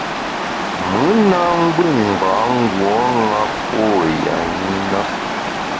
Mùn na ngbù ngbâ nguo ṅa pô ya ṅi na.